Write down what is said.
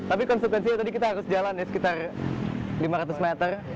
tapi konsekuensinya tadi kita harus jalan ya sekitar lima ratus meter